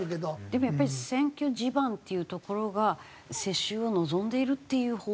でもやっぱり選挙地盤っていうところが世襲を望んでいるっていう方向も。